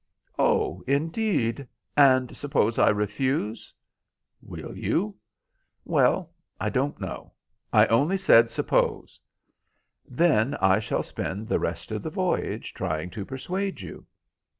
"Oh, indeed, and suppose I refuse?" "Will you?" "Well, I don't know. I only said suppose." "Then I shall spend the rest of the voyage trying to persuade you."